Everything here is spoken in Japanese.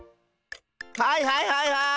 はいはいはいはい！